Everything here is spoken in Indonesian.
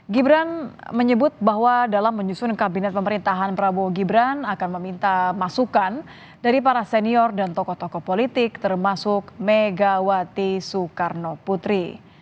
gibran menyebut bahwa dalam menyusun kabinet pemerintahan prabowo gibran akan meminta masukan dari para senior dan tokoh tokoh politik termasuk megawati soekarno putri